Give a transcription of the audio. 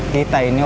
kita ini orang yang